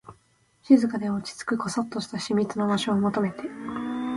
静かで、落ち着く、こそっとした秘密の場所を求めて